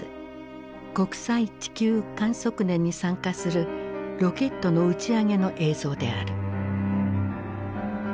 国際地球観測年に参加するロケットの打ち上げの映像である。